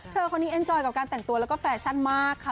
คนนี้เอ็นจอยกับการแต่งตัวแล้วก็แฟชั่นมากค่ะ